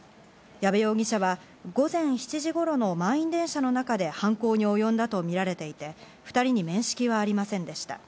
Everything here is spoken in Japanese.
矢部容疑者は午前７時頃の満員電車の中で犯行におよんだとみられていて、２人に面識はありませんでした。